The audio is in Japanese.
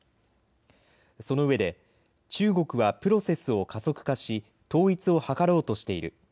そのうえで中国はプロセスを加速化し統一を図ろうとしている。